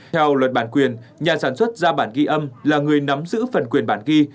theo luật bản quyền nhà sản xuất ra bản ghi âm là người nắm giữ phần quyền bản ghi